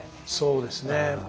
そうですね。